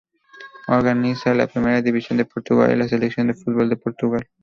Organiza la Primera División de Portugal y la Selección de fútbol de Portugal.